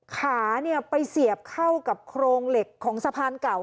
ขาไปเสียบเข้ากับโครงเหล็กของสะพานเก่า